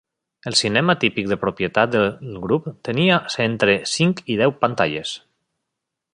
El cinema típic de propietat del grup tenia entre cinc i deu pantalles.